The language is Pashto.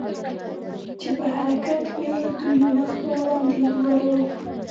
چې په حرکت وې، دوی مخ په وړاندې ورو.